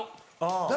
誰？